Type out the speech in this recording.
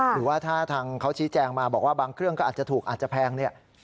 หรือว่าถ้าทางเขาชี้แจงมาบอกว่าบางเครื่องก็อาจจะถูกอาจจะแพงเนี่ย